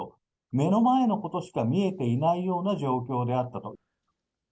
目の前のことしか見えていないような状況であったと。